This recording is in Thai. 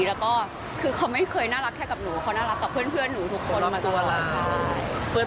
แล้วก็คือเขาไม่เคยน่ารักแค่กับหนูเขาน่ารักกับเพื่อนหนูทุกคนแล้วนะตัวเรา